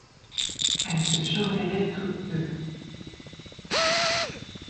Elles se surveillaient toutes deux.